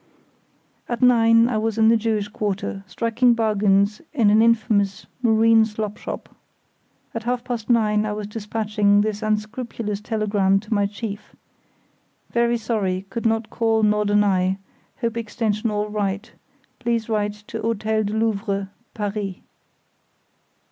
At nine I was in the Jewish quarter, striking bargains in an infamous marine slop shop. At half past nine I was despatching this unscrupulous telegram to my chief—"Very sorry, could not call Norderney; hope extension all right; please write to Hôtel du Louvre, Paris."